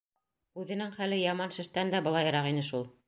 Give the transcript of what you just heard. Үҙенең хәле яман шештән дә былайыраҡ ине шул.